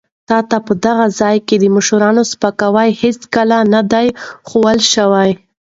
تا ته په دغه ځای کې د مشرانو سپکاوی هېڅکله نه دی ښوول شوی.